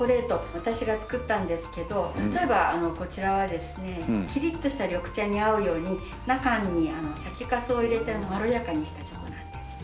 私が作ったんですけど例えばこちらはですねキリッとした緑茶に合うように中に酒かすを入れてまろやかにしたチョコなんです。